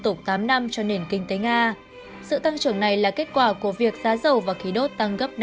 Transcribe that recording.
tục tám năm cho nền kinh tế nga sự tăng trưởng này là kết quả của việc giá dầu và khí đốt tăng gấp